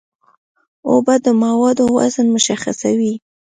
اوبه د موادو وزن مشخصوي.